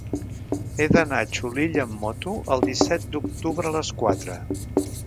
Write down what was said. He d'anar a Xulilla amb moto el disset d'octubre a les quatre.